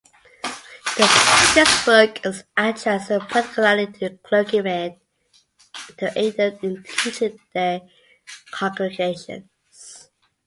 This book was addressed particularly to clergymen to aid them in teaching their congregations.